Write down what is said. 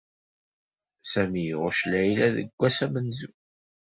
Sami iɣucc Layla seg ass amenzu.